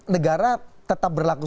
negara tetap berlaku